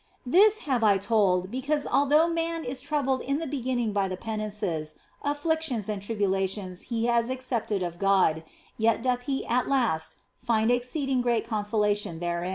This have I told, because although man is troubled in the beginning by the penances, afflictions and tribulations he has accepted of God, yet doth he at last find exceeding great consolation therein.